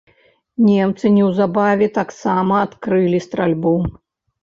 Немцы неўзабаве таксама адкрылі стральбу.